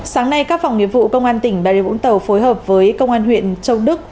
sáng nay các phòng nghiệp vụ công an tỉnh bà rịa vũng tàu phối hợp với công an huyện châu đức